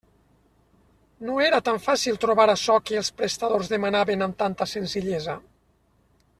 No era tan fàcil trobar açò que els prestadors demanaven amb tanta senzillesa.